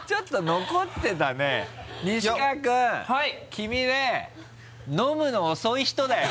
君ね飲むの遅い人だよ。